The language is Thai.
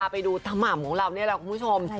ไปดูตามหมามของเราเนี่ยแล้วคุณผู้ชม